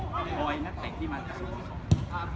ปล่อยนักเเต็กที่มาที่สุโมสร